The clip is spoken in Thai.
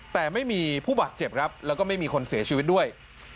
แต่ไม่มีผู้บาดเจ็บครับแล้วก็ไม่มีคนเสียชีวิตด้วย